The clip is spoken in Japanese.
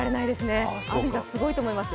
安住さんすごいと思いますよ。